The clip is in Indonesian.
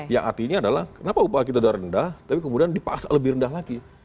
yang artinya adalah kenapa upah kita sudah rendah tapi kemudian dipaksa lebih rendah lagi